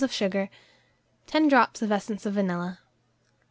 of sugar, 10 drops of essence of vanilla.